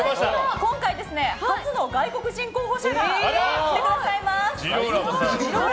今回、初の外国人候補者が来てくださいます！